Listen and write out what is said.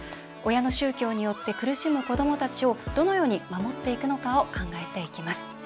親の宗教によって苦しむ子どもたちをどのように守っていくのかを考えていきます。